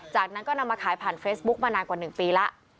จากนั้นก็นำมาขายผ่านเฟซบุ๊กมานานกว่า๑ปีแล้ว